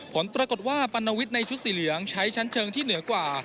ผลปรากฏว่าปรณวิทย์ในชุดสีเหลืองใช้ชั้นเชิงที่เหนือกว่า